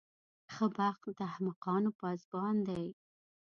ښه بخت د احمقانو پاسبان دی.